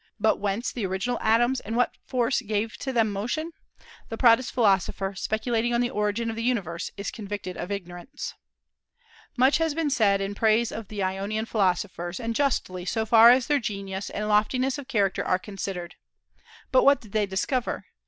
But whence the original atoms, and what force gave to them motion? The proudest philosopher, speculating on the origin of the universe, is convicted of ignorance. Much, has been said in praise of the Ionian philosophers; and justly, so far as their genius and loftiness of character are considered. But what did they discover?